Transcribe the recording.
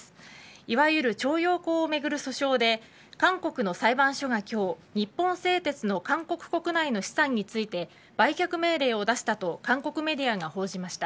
いわゆる徴用工を巡る訴訟で韓国の裁判所が今日日本製鉄の韓国国内の資産について売却命令を出したと韓国メディアが報じました。